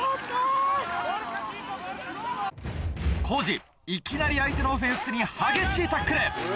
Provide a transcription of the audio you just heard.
コージいきなり相手のオフェンスに激しいタックル。